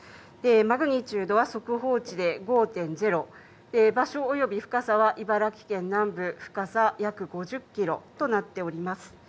マグニチュードは速報値で５．０、場所および深さは茨城県南部、深さ約５０キロとなっております。